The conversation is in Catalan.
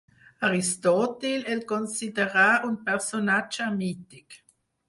Aristòtil el considera un personatge mític.